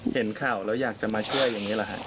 เห็นข่าวแล้วอยากจะมาช่วยอย่างนี้แหละฮะ